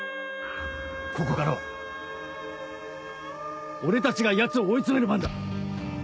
ここからは俺たちがヤツを追い詰める番だ。